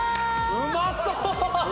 うまそう！